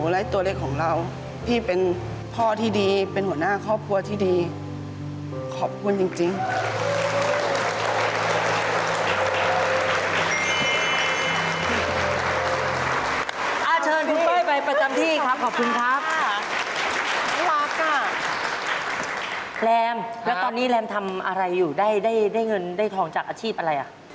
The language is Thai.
แรมแล้วตอนนี้แรมทำอะไรอยู่ได้เงินได้ทองจากอาชีพอะไรอ่ะ